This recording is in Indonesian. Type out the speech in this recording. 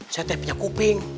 saya teh punya kuping